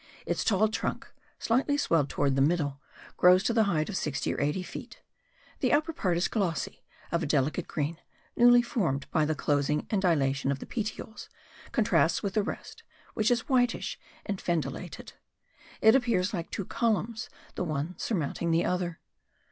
Its tall trunk, slightly swelled towards the middle, grows to the height of 60 or 80 feet; the upper part is glossy, of a delicate green, newly formed by the closing and dilatation of the petioles, contrasts with the rest, which is whitish and fendilated. It appears like two columns, the one surmounting the other.